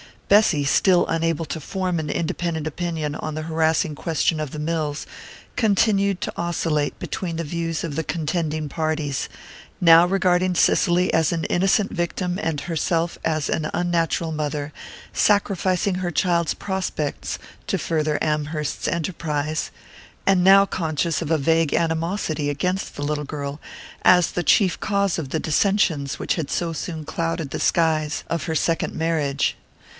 Bessy, still unable to form an independent opinion on the harassing question of the mills, continued to oscillate between the views of the contending parties, now regarding Cicely as an innocent victim and herself as an unnatural mother, sacrificing her child's prospects to further Amherst's enterprise, and now conscious of a vague animosity against the little girl, as the chief cause of the dissensions which had so soon clouded the skies of her second marriage.